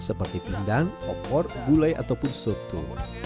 seperti pindang opor gulai ataupun soto